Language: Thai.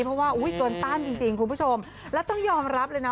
เพราะว่าอุ้ยเกินต้านจริงคุณผู้ชมแล้วต้องยอมรับเลยนะ